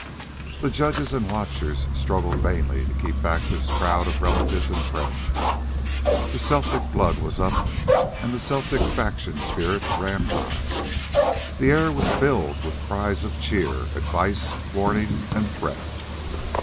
The judges and watchers struggled vainly to keep back this crowd of relatives and friends. The Celtic blood was up, and the Celtic faction spirit ran high. The air was filled with cries of cheer, advice, warning, and threat.